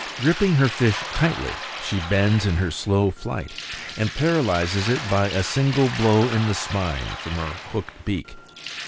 Gripping her fish tightly, she bends in her slow flight and paralyzes it by a single blow in the spine from her hooked beak.